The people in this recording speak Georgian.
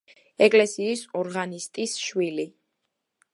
ეკლესიის ორღანისტის შვილი.